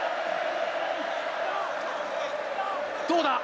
どうだ？